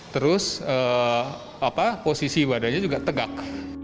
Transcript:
terus posisi badannya juga tegak